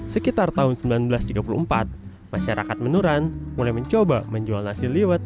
sekitar tahun seribu sembilan ratus tiga puluh empat masyarakat menuran mulai mencoba menjual nasi liwet